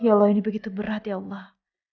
ya allah ini begitu berat ya allah